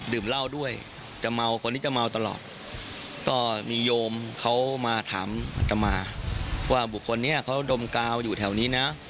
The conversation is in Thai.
เหล้าด้วยจะเมาคนนี้จะเมาตลอดก็มีโยมเขามาถามอัตมาว่าบุคคลนี้เขาดมกาวอยู่แถวนี้นะ